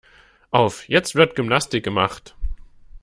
Auf, jetzt wird Gymnastik gemacht.